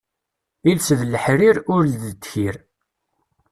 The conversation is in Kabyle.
Iles d leḥrir, ul d ddkir.